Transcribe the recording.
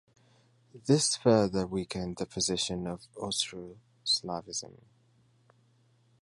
This further weakened the position of Austro-Slavism.